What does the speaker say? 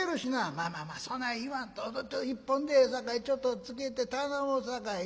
「まあまあまあそない言わんと一本でええさかいちょっとつけて頼むさかいな。